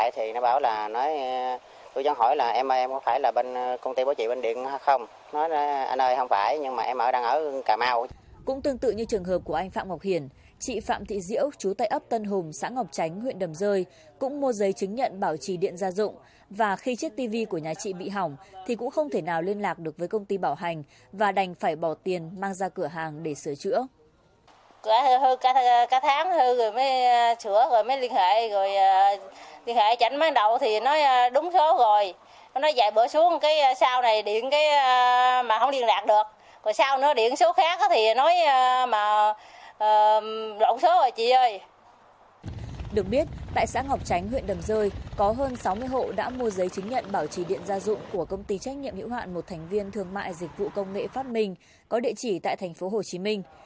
tại xã ngọc tránh huyện đầm rơi có hơn sáu mươi hộ đã mua giấy chứng nhận bảo trì điện gia dụng của công ty trách nhiệm hữu hạn một thành viên thương mại dịch vụ công nghệ phát minh có địa chỉ tại thành phố hồ chí minh